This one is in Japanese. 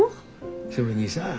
それにさ